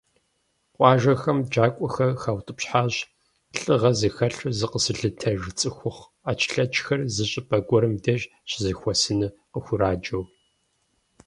Къуажэхэм джакӀуэхэр хаутӀыпщхьащ, лӀыгъэ зыхэлъу зыкъэзылъытэж цӀыхухъу Ӏэчлъэчхэр зы щӀыпӀэ гуэрым деж щызэхуэсыну къыхураджэу.